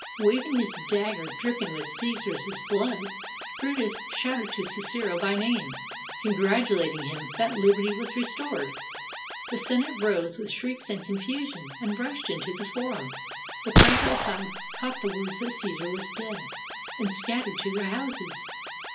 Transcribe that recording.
Waving his dagger, dripping with Caesar's blood, Brutus shouted to Cicero by name, congratulat ing him that liberty was restored. The Senate rose with shrieks and confusion, and rushed into the Forum. The crowd outside caught the words that Caesar was dead, and scattered to their houses.